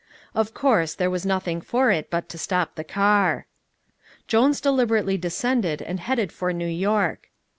Of course, there was nothing for it but to stop the car. Jones deliberately descended and headed for New York.